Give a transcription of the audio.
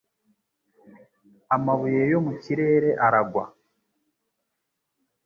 Amabuye yo mu kirere aragwa